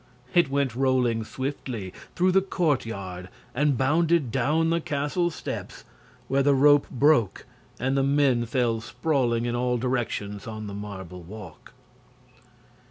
It went rolling swiftly through the courtyard and bounded down the castle steps, where the rope broke and the men fell sprawling in all directions on the marble walk.